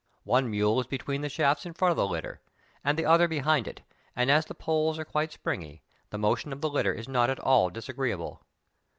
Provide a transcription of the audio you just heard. One mule is between the shafts in front of the litter, and the other behind it, and as the poles are quite springy, the motion of the litter is not at all disagreeable.